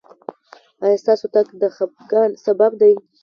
ایا ستاسو تګ د خفګان سبب دی؟